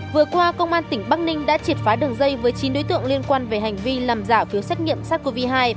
vừa qua công an tỉnh bắc ninh đã triệt phá đường dây với chín đối tượng liên quan về hành vi làm giả phiếu xét nghiệm sars cov hai